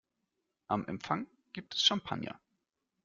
Am Empfang gibt es Champagner.